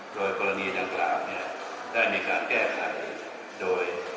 โดยกรณีดังกล่าวเนี่ยได้มีการแก้ไขโดย